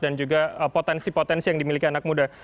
juga potensi potensi yang dimiliki anak muda